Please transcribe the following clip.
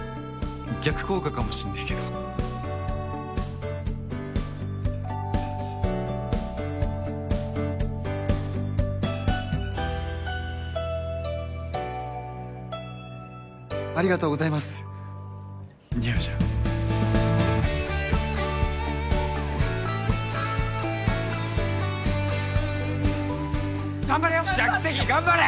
逆効果かもしんねえけどありがとうございます似合うじゃん頑張れよしゃあキセキ頑張れ！